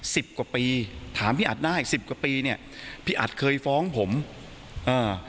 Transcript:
สิบกว่าปีถามพี่อัดได้สิบกว่าปีเนี้ยพี่อัดเคยฟ้องผมอ่า